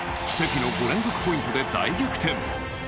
奇跡の５連続ポイントで大逆転。